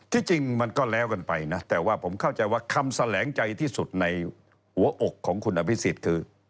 จริงมันก็แล้วกันไปนะแต่ว่าผมเข้าใจว่าคำแสลงใจที่สุดในหัวอกของคุณอภิษฎคือ